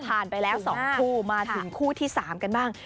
ผ่านไปแล้ว๒คู่มาถึงคู่ที่๓กันบ้าง